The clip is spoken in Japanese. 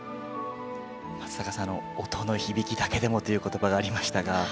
松坂さん「音の響きだけでも」という言葉がありましたが。